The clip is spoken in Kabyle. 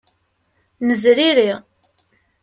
Nezriri.